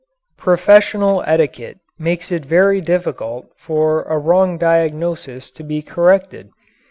Professional etiquette makes it very difficult for a wrong diagnosis to be corrected.